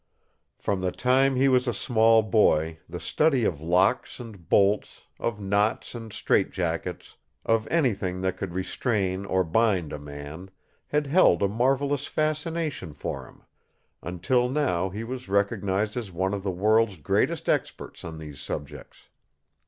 From the time he was a small boy the study of locks and bolts, of knots and strait jackets, of anything that could restrain or bind a man, had held a marvelous fascination for him, until now he was recognized as one of the world's greatest experts on these subjects.